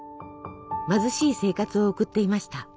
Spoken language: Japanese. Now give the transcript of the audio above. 貧しい生活を送っていました。